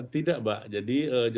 tidak pak jadi